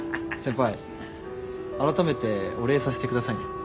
先輩改めてお礼させてくださいね。